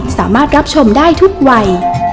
สามารถรับชมได้ทุกวัย